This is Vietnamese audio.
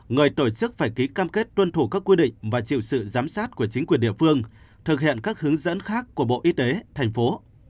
người tổ chức phải ký cam kết tuân thủ các quy định và chịu sự giám sát của chính quyền địa phương thực hiện các hướng dẫn khác của bộ y tế thành phố